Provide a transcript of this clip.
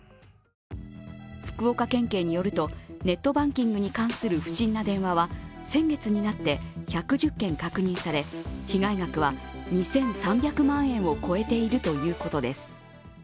福岡県警によるとネットバンキングに関する不審な電話は、先月になって１１０件確認され被害額は２３００万円を超えているということです。